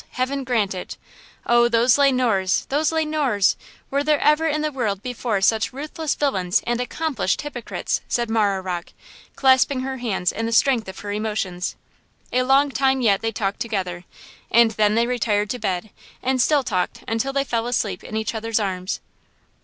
Heaven grant it! Oh, those Le Noirs! those Le Noirs! Were there ever in the world before such ruthless villains and accomplished hypocrites?" said Marah Rocke, clasping her hands in the strength of her emotions. A long time yet they talked together, and then they retired to bed, and still talked until they fell asleep in each other's arms.